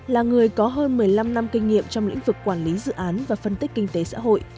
là người có hơn một mươi năm năm kinh nghiệm trong lĩnh vực quản lý dự án và phân tích kinh tế xã hội